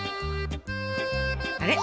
あれ？